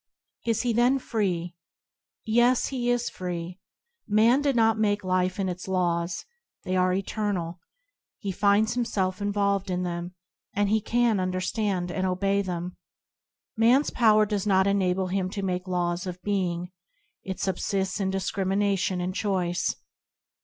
Is he then free? Yes, he is free. Man did not make life and its laws; they are eternal; he finds himself involved in them, and he can understand and obey them. Man's power does not enable him to make laws of being; it subsists in discrimination and choice.